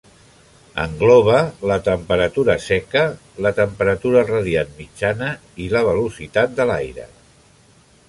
Engloba la temperatura seca, la temperatura radiant mitjana i la velocitat de l'aire.